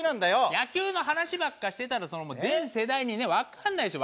野球の話ばっかりしてたら全世代にねわからないでしょ？